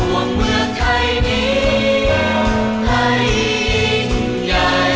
เมืองไทย